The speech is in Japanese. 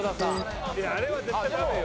いやあれは絶対ダメよ。